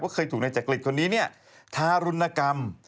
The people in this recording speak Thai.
เคยถูกนายจักริตคนนี้เนี่ยทารุณกรรม